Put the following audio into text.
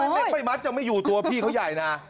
เล็กไม่มัดจะไม่อยู่ตัวพี่เขาใหญ่นะ